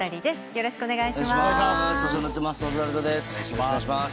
よろしくお願いします。